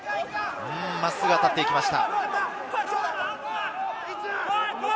真っすぐ当たっていきました。